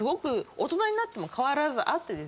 大人になっても変わらずあって。